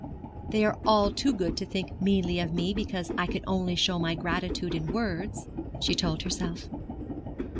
'They are all too good to think meanly of me because I can only show my gratitude in words,' she told herself.